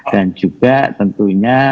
dan juga tentunya